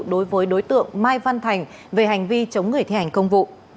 đối với đối tượng mai văn thành về hành vi chống người thi hành công vụ